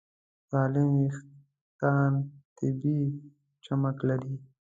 سالم وېښتيان طبیعي چمک لري.